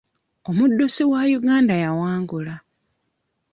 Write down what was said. Omuddusi wa Uganda yawangula.